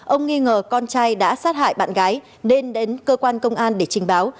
ông nghi ngờ con trai đã sát hại bạn gái nên đến cơ quan công an để trình báo